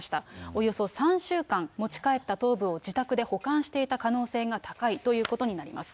およそ３週間、持ち帰った頭部を自宅で保管していた可能性が高いということになります。